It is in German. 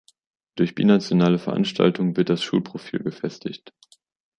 Durch binationale Veranstaltungen wird das Schulprofil gefestigt.